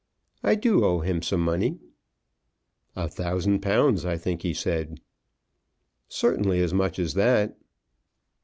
"I do owe him some money." "A thousand pounds, I think he said." "Certainly as much as that."